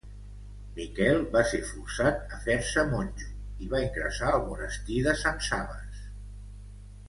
Miquel va ser forçat a fer-se monjo i va ingressar al monestir de Sant Sabas.